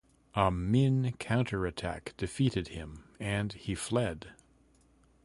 A Min counterattack defeated him, and he fled.